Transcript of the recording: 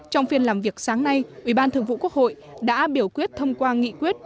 trong phiên làm việc sáng nay ủy ban thường vụ quốc hội đã biểu quyết thông qua nghị quyết